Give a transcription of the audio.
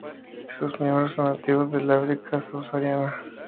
Sus miembros son nativos del África subsahariana.